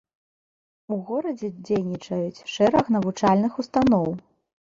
У горадзе дзейнічаюць шэраг навучальных устаноў.